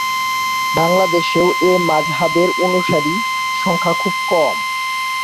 বাংলাদেশেও এ মাযহাবের অনুসারী সংখ্যা খুব কম।